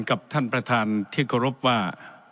กับท่านประธานที่เคารพว่า